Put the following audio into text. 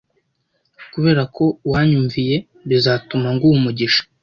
kubera ko wanyumviye bizatuma nguha umugisha